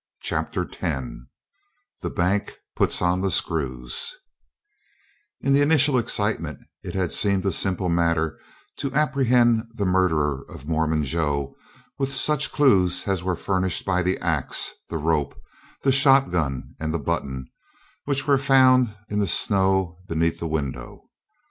CHAPTER X THE BANK PUTS ON THE SCREWS In the initial excitement it had seemed a simple matter to apprehend the murderer of Mormon Joe with such clues as were furnished by the axe, the rope, the shotgun and the button, which were found in the snow beneath the window.